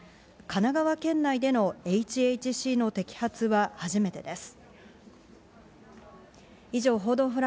神奈川県内でのＨＨＣの摘発は初めてです。